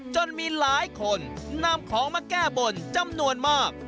จนมีหลายคนนำของมาแก้บนจำนวนมาก